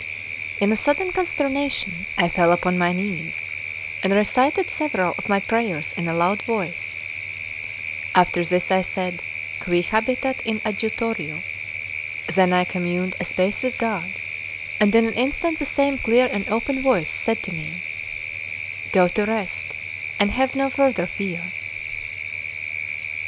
In a sudden consternation I fell upon my knees, and recited several of my prayers in a loud voice; after this I said 'Qui habitat in adjutorio;' then I communed a space with God; and in an instant the same clear and open voice said to me: "Go to rest, and have no further fear!"